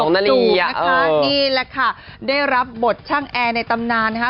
นี้เลยค่ะได้รับบทช่างแอร์ในตำนาน